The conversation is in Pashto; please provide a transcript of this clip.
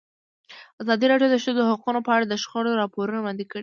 ازادي راډیو د د ښځو حقونه په اړه د شخړو راپورونه وړاندې کړي.